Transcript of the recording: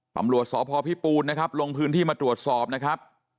ตำรวจสพพิปูนนะครับลงพื้นที่มาตรวจสอบนะครับ